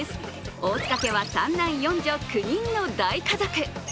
大塚家は３男４女、９人の大家族。